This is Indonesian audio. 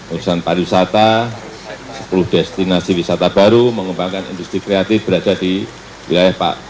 urusan pariwisata sepuluh destinasi wisata baru mengembangkan industri kreatif berada di wilayah pak